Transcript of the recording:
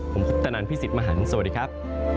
ผมคุปตนันพี่สิทธิ์มหันฯสวัสดีครับ